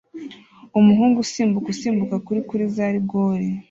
Umuhungu usimbuka kuri kuri za rigore